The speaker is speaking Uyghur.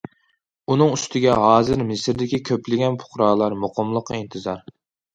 ئۇنىڭ ئۈستىگە ھازىر مىسىردىكى كۆپلىگەن پۇقرالار مۇقىملىققا ئىنتىزار.